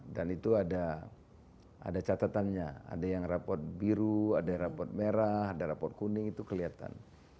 dan itu ada catatannya ada yang rapat biru ada yang rapat merah ada yang rapat kuning itu kelihatan